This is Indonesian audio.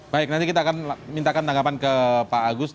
baik nanti kita akan mintakan tanggapan ke pak agus